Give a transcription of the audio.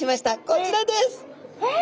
こちらです！え？え！？